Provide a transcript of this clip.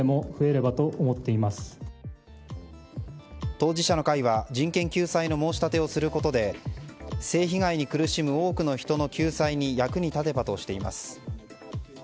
当事者の会は人権救済の申し立てをすることで性被害に苦しむ多くの人の救済に役に立てばとしています。